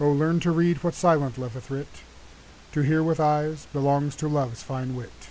learn to read what silent love hath writ: To hear with eyes belongs to love's fine